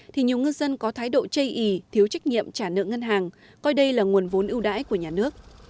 thì nhiều ngư dân có thái độ chây ý thiếu trách nhiệm trả nợ ngân hàng coi đây là nguồn vốn ưu đãi của nhà nước